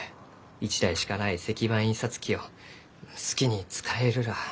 一台しかない石版印刷機を好きに使えるらあ。